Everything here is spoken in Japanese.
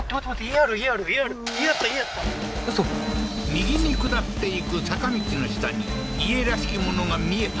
右に下っていく坂道の下に家らしきものが見えた